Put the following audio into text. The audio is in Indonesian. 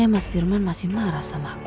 jadi mas firman masih marah sama aku